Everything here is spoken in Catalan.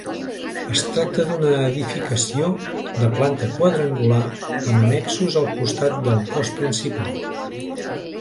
Es tracta d'una edificació de planta quadrangular amb annexos al costat del cos principal.